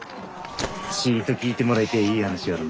ちいと聞いてもらいてえいい話があるんだ。